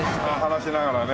話しながらね。